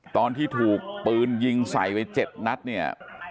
ตอนที่ถูกปืนยิงใส่ไป๗นัดเนี่ย